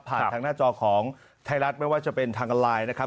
ทางหน้าจอของไทยรัฐไม่ว่าจะเป็นทางออนไลน์นะครับ